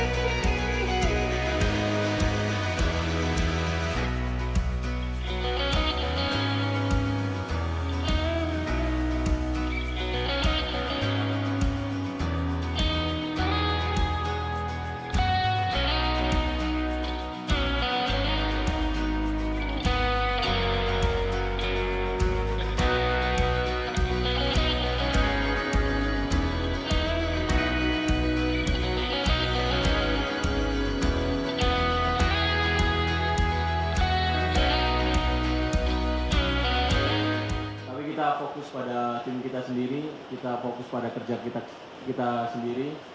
tapi kita fokus pada tim kita sendiri kita fokus pada kerja kita sendiri